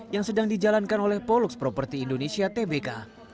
yang sedang dijalankan oleh polux properti indonesia tbk